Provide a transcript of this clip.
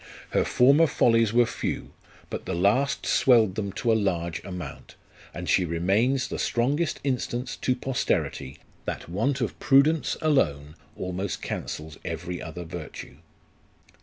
Her former follies were few, but the last swelled them to a large amount ; and she remains the strongest instance to posterity, that want of prudence alone almost cancels every other virtue.